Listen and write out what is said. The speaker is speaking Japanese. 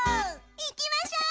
いきましょう！